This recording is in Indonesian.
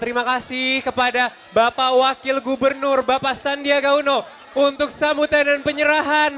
terima kasih kepada bapak wakil gubernur bapak sandiaga uno untuk sambutan dan penyerahan